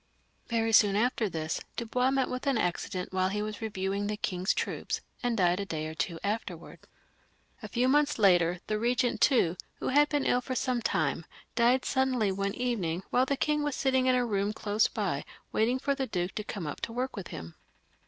Very soon after this Dubois met with an accident 368 LOUIS XV, [CH. while he was reviewing the king's troops, and died a day or two afterwards. vjL A few months liter the Eegeut too, who had been iU for some time, died suddenly one evening while the 'K'lTig was sitting in a room close by, waiting for the Duke to come up to work with him.